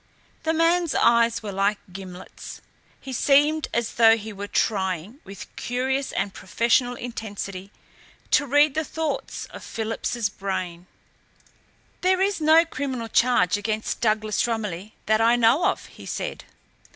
The man's eyes were like gimlets. He seemed as though he were trying, with curious and professional intensity, to read the thoughts in Philip's brain. "There is no criminal charge against Douglas Romilly that I know of," he said.